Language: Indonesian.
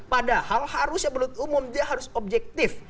padahal harusnya menurut umum dia harus objektif